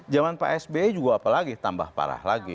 zaman pak sby juga apalagi tambah parah lagi